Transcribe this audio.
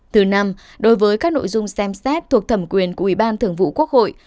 thứ năm đối với các nội dung xem xét thuộc thẩm quyền của ủy ban thường vụ quốc hội